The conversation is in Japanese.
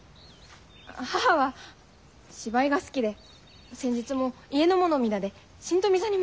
母は芝居が好きで先日も家の者皆で新富座に参りました。